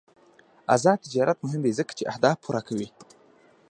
آزاد تجارت مهم دی ځکه چې اهداف پوره کوي.